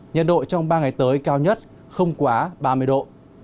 nhiệt độ trong ba ngày tới cao nhất không quá ba mươi độ